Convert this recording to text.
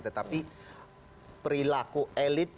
tetapi perilaku elit